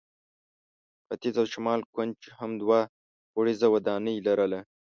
ختیځ او شمال کونج هم دوه پوړیزه ودانۍ لرله.